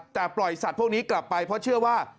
แต่ปล่อยสัตว์พวกนี้กลับไปเพราะเชื่อว่า